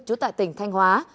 chú tại tỉnh thanh hóa